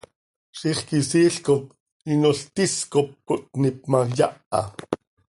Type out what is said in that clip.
Zixquisiil cop inol tis cop cöitníp ma, yaha.